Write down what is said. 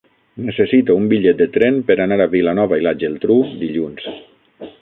Necessito un bitllet de tren per anar a Vilanova i la Geltrú dilluns.